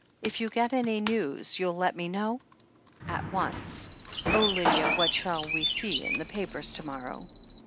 If you get any news, you'll let me know?" "At once. Oh, Lydia, what shall we see in the papers to morrow?"